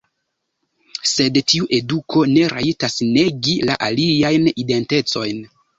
Sed tiu eduko ne rajtas negi la aliajn identecojn.